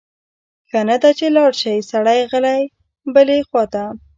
ښه نه ده چې لاړ شی سړی غلی بلې خواته؟